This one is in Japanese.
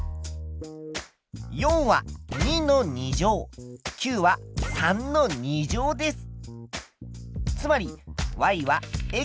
４は２の２乗９は３の２乗です。